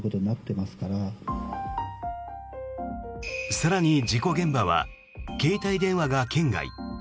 更に、事故現場は携帯電話が圏外。